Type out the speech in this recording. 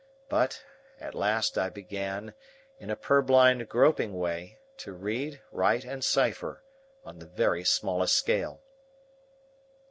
But, at last I began, in a purblind groping way, to read, write, and cipher, on the very smallest scale.